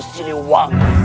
saya akan mencari uang